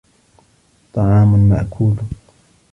طَعَامٌ مَأْكُولٌ